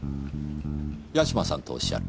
八島さんとおっしゃる？